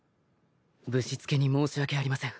ぶしつけに申し訳ありません。